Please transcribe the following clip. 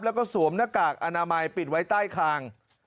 แล้วก็สวมหน้ากากอนามัยปิดไว้ใต้คาง